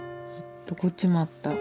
こっちもあった。